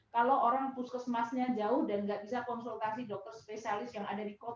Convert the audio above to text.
kalau orang puskesmasnya jauh dan nggak bisa konsultasi dokter spesialis yang ada di kota